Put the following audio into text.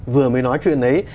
vừa mới nói chuyện đấy